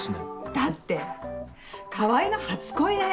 だって川合の初恋だよ